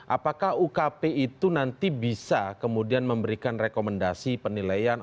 apakah ukp itu nanti bisa kemudian memberikan rekomendasi penilaian